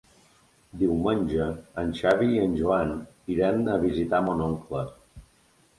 Diumenge en Xavi i en Joan iran a visitar mon oncle.